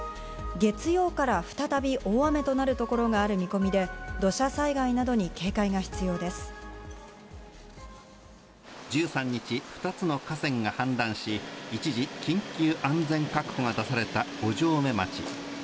月曜から再び大雨となる所がある見込みで、土砂災害などに警戒が１３日、２つの河川が氾濫し、一時、緊急安全確保が出された五城目町。